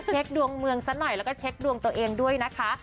เช็คดวงเมืองซะหน่อยแล้วก็เช็คดวงตัวเองด้วยนะคะ